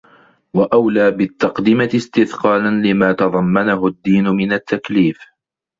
وَأَوْلَى بِالتَّقْدِمَةِ اسْتِثْقَالًا لِمَا تَضَمَّنَهُ الدِّينُ مِنْ التَّكْلِيفِ